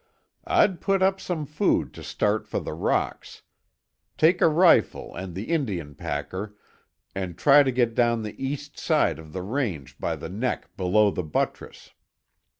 "I'd put up some food and start for the rocks. Take a rifle and the Indian packer, and try to get down the east side of the range by the neck below the buttress.